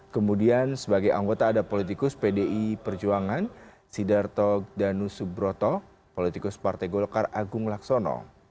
kemudian sebagai anggota ada politikus pdi perjuangan sidarto danusubroto politikus partai golkar agung laksono